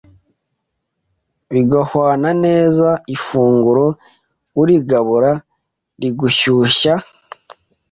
bigahwana neza. Ifunguro urigabura rigishyushy